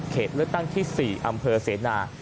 เลือกตั้งที่๔อำเภอเสนา